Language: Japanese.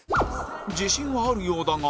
自信はあるようだが